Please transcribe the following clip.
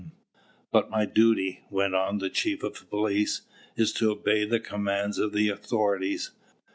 "But my duty," went on the chief of police, "is to obey the commands of the authorities.